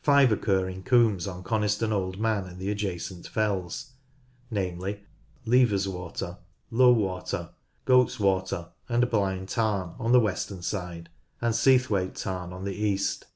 Five occur in combes on Coniston Old Man and the adjacent fells, 60 NORTH LANCASHIRE namely, Levers Water, Low Water, Goats Water, and Blind Tarn, on the western side, and Seathwaite Tarn on the east.